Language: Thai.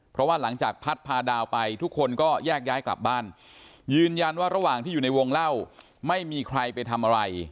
เพราะว่าหลังจากพัดพาดาวไปทุกคนก็แยกย้ายกลับบ้านยืนยันว่าระหว่างที่อยู่ในวงเล่าไม่มีใครไปทำอะไร